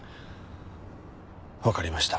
わかりました。